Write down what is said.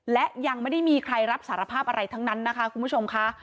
และยังไม่ได้มีใครรับสารภาพอะไรทั้งนั้นนะคะคุณผู้ชมค่ะ